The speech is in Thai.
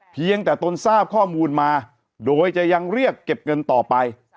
เพียงแต่ตนทราบข้อมูลมาโดยจะยังเรียกเก็บเงินต่อไป